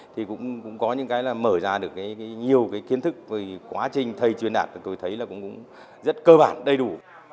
thì cũng có những cái mở ra được nhiều kiến thức về quá trình thay chuyên đạt tôi thấy cũng rất cơ bản đầy đủ